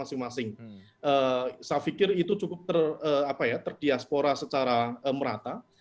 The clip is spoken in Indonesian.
saya pikir itu cukup terdiaspora secara merata